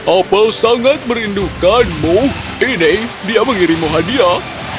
opel sangat merindukanmu eh dave dia mengirimu hadiah